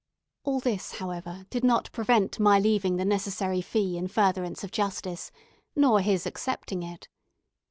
All this, however, did not prevent my leaving the necessary fee in furtherance of justice, nor his accepting it.